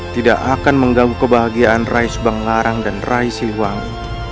tidak akan menggabung kebahagiaan rai subang larang dan rai siliwangi